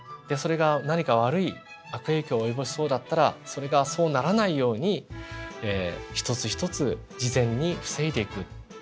でそれが何か悪い悪影響を及ぼしそうだったらそれがそうならないように一つ一つ事前に防いでいく。